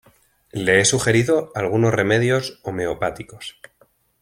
Le he sugerido algunos remedios homeopáticos.